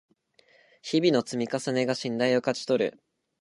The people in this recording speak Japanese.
日々の積み重ねが信頼を勝ち取る